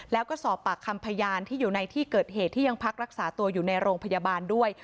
แล้วก็สอบปากคำพยานที่อยู่ในที่เกิดเหตุที่ยังพักรักษาตัวอยู่ในโรงพยาบาลด้วย